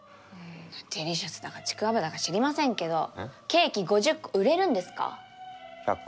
デリシャスだかちくわぶだか知りませんけどケーキ５０個売れるんですか